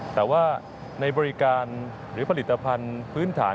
แต่ว่าในบริการหรือผลิตภัณฑ์พื้นฐาน